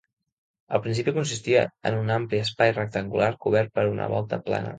Al principi consistia en un ampli espai rectangular cobert per una volta plana.